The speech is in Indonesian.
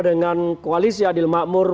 dengan koalisi adil makmur